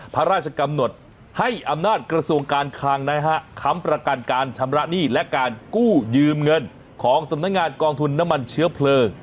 พระราชกำหนดให้อำนาจกระทรวงการคลังนะฮะค้ำประกันการชำระหนี้และการกู้ยืมเงินของสำนักงานกองทุนน้ำมันเชื้อเพลิง